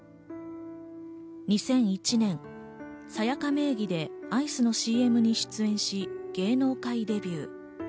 ２００１年、ＳＡＹＡＫＡ名義でアイスのＣＭに出演し、芸能界デビュー。